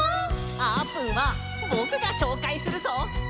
あーぷんはぼくがしょうかいするぞ。